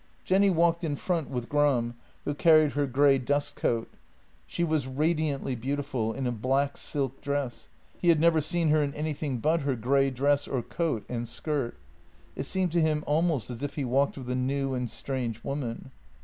Jenny walked in front with Gram, who carried her grey dust coat. She was radiantly beautiful in a black silk dress; he had never seen her in anything but her grey dress or coat and skirt. It seemed to him almost as if he walked with a new and strange woman.